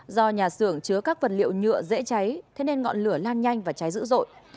do nhà xưởng chứa các vật liệu nhựa dễ cháy thế nên ngọn lửa lan nhanh và cháy dữ dội